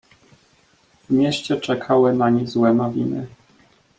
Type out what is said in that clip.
"W mieście czekały nań złe nowiny."